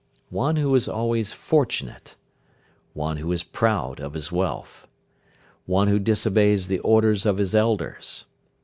One who is always fortunate. One who is proud of his wealth. One who disobeys the orders of his elders.